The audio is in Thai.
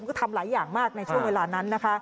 ก็ทำหลายอย่างมากในช่วงเวลานั้นนะคะ